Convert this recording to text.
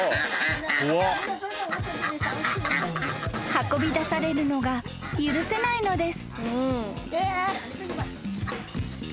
［運びだされるのが許せないのです］